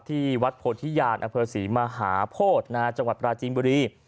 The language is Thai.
ที่วัดโพธิญาณอำเภอศรีมหาโพธิจังหวัดปราจีนบุรี